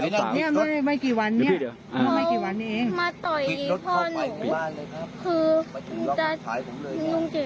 เขาปลูกหนูเข้ามาในบ้านแล้วเขาก็มาทำร้ายพี่หนู